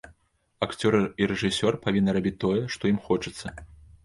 Акцёр і рэжысёр павінны рабіць тое, што ім хочацца.